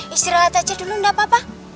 istirahat aja dulu nggak apa apa